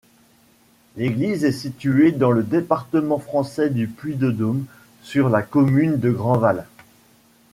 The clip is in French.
L'église est située dans le département français du Puy-de-Dôme, sur la commune de Grandval.